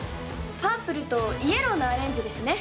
パープルとイエローのアレンジですね